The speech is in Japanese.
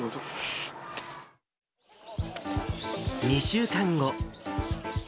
２週間後。